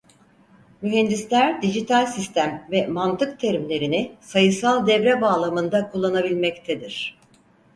Mühendisler "dijital sistem" ve "mantık" terimlerini sayısal devre bağlamında kullanabilmektedir.